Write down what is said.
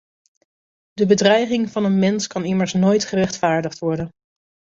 De bedreiging van een mens kan immers nooit gerechtvaardigd worden.